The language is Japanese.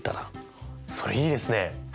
それいいですね！